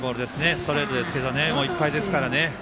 ストレートですけどいっぱいですからね。